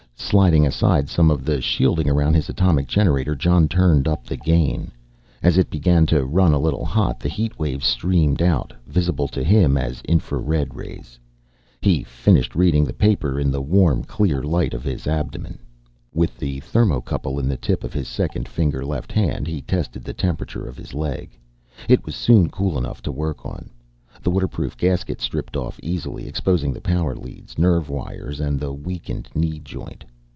Sliding aside some of the shielding around his atomic generator, Jon turned up the gain. As it began to run a little hot the heat waves streamed out visible to him as infra red rays. He finished reading the paper in the warm, clear light of his abdomen. The thermocouple in the tip of his second finger left hand, he tested the temperature of his leg. It was soon cool enough to work on. The waterproof gasket stripped off easily, exposing the power leads, nerve wires and the weakened knee joint.